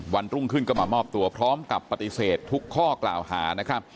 วันตรุ่งขึ้นก็มามอบตัวพร้อมกับปฏิเสธทุกข้อกล่าวหา